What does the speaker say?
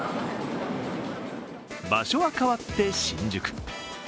場所は変わって新宿。